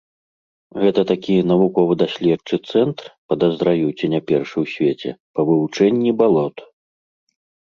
Гэта такі навукова-даследчы цэнтр, падазраю, ці не першы ў свеце, па вывучэнні балот.